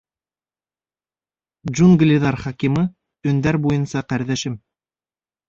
Джунглиҙар хакимы, өңдәр буйынса ҡәрҙәшем!